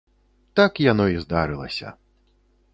Так яно і здарылася.